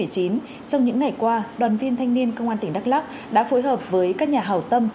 trong những ngày qua đoàn viên thanh niên công an tỉnh đắk lắc đã phối hợp với các nhà hào tâm